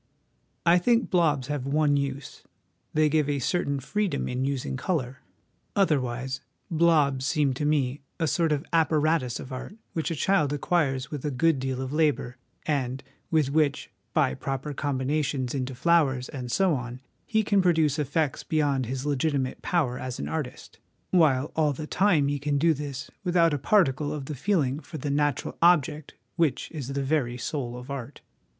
I think blobs have one use they give a certain freedom in using colour. Otherwise ' blobs ' seem to me a sort of apparatus of art which a child acquires with a good deal of labour, and with which, by proper combinations into flowers, and so on, he can produce effects beyond his legitimate power as an artist, while all the time he can do this without a particle of the feeling for the natural object which is the very soul of art.